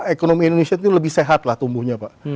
ekonomi indonesia itu lebih sehat lah tumbuhnya pak